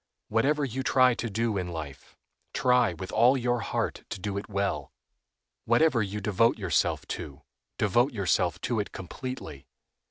Whatever you try to do in life, try with all your heart to do it well; whatever you devote yourself to, devote yourself to it completely.